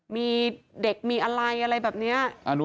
มีเด็กมีอะไรอะไรแบบนี้